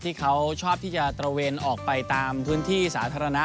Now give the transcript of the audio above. ที่เขาชอบที่จะตระเวนออกไปตามพื้นที่สาธารณะ